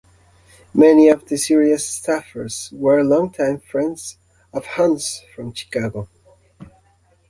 Many of the series' staffers were longtime friends of Hunt's from Chicago.